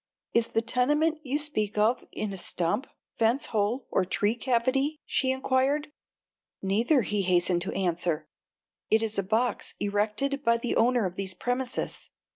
"Is the tenement you speak of in a stump, fence hole, or tree cavity?" she inquired. "Neither," he hastened to answer; "it is a box erected by the owner of these premises."